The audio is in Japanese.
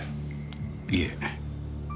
いえ。